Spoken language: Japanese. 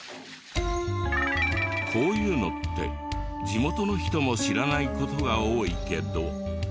こういうのって地元の人も知らない事が多いけど。